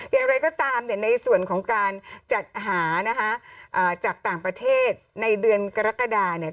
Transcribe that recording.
อย่างไรก็ตามเนี่ยในส่วนของการจัดหานะคะจากต่างประเทศในเดือนกรกฎาเนี่ย